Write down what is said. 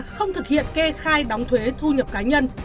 không thực hiện kê khai đóng thuế thu nhập cá nhân